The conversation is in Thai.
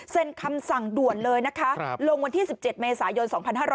คำสั่งด่วนเลยนะคะลงวันที่๑๗เมษายน๒๕๖๐